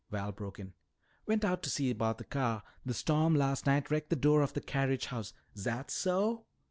Val broke in. "Went out to see about the car. The storm last night wrecked the door of the carriage house " "Zat so?"